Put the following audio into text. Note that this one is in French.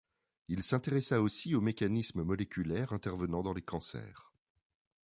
Il s'intéressa aussi aux mécanismes moléculaires intervenant dans les cancers.